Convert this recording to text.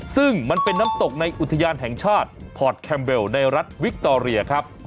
ซึ่งมันเป็นน้ำตกในอุทยานแห่งชาติพอร์ตแคมเบลในรัฐวิคตอเรียครับ